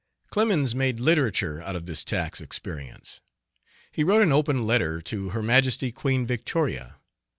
Clemens made literature out of this tax experience. He wrote an open letter to Her Majesty Queen Victoria.